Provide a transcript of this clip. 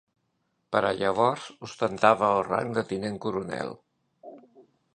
Per a llavors ostentava el rang de tinent coronel.